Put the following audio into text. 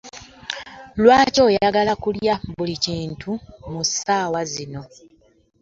Lwaki oyagala kulya buli kintu mu ssaawa zino?